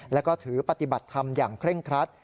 แล้วก็ถือปฏิบัติธรรมอย่างเคร่งครัด